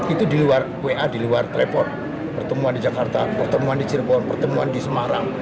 itu di luar wa di luar telepon pertemuan di jakarta pertemuan di cirebon pertemuan di semarang